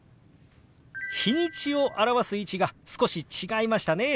日にちを表す位置が少し違いましたね。